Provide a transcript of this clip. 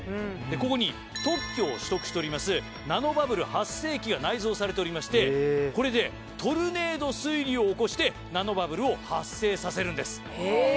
ここに特許を取得しておりますナノバブル発生器が内蔵されておりましてこれでトルネード水流を起こしてナノバブルを発生させるんです。